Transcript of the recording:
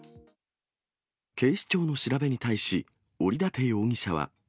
警視庁の調べに対し、折舘容疑者は。